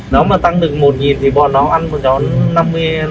nó mà tăng được một thì bọn nó ăn một chó năm mươi rồi